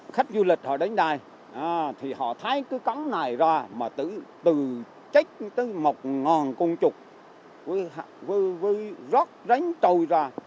khách du lịch họ đến đây thì họ thái cái cống này ra mà từ trách tới một ngàn cung trục vừa rớt ránh trôi ra